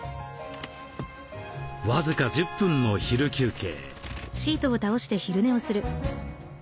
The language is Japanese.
僅か１０分の昼休憩。